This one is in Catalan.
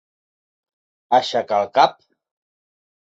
Aixecar el cap.